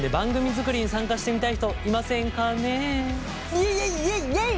イエイイエイイエイイエイ！